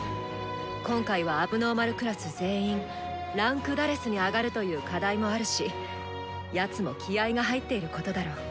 今回は問題児クラス全員位階「４」に上がるという課題もあるしやつも気合いが入っていることだろう。